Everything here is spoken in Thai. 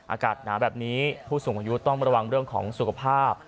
อากาศหนาวแบบนี้ผู้สูงอายุต้องระวังเรื่องของสุขภาพ